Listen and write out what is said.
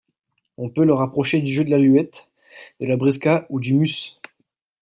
On peut le rapprocher du jeu de l'aluette, de la brisca, ou du Mus.